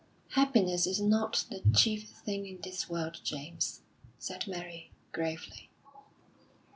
"Happiness is not the chief thing in this world, James," said Mary, gravely.